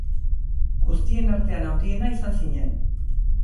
Guztien artean handiena izan zinen.